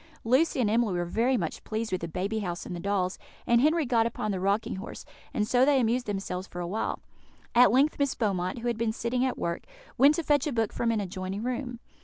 Lucy and Emily were very much pleased with the baby house and the dolls, and Henry got upon the rocking horse; and so they amused themselves for a while. At length Miss Beaumont, who had been sitting at work, went to fetch a book from an adjoining room.